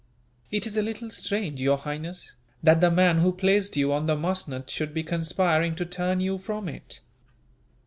"It is a little strange, Your Highness, that the man who placed you on the musnud should be conspiring to turn you from it.